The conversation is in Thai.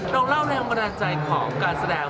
น้องเล่าเรื่องบันดาลใจของการแสดง